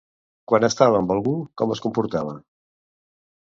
Quan estava amb algú com es comportava?